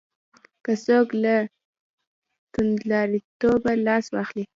که څوک له توندلاریتوبه لاس واخلي.